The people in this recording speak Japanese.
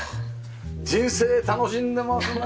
人生楽しんでますね。